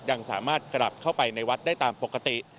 ยังสามารถกลับเข้าไปในวัดได้ตามปกติ